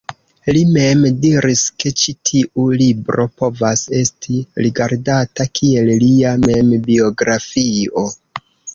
Li mem diris ke ĉi tiu libro povas esti rigardata kiel lia membiografio.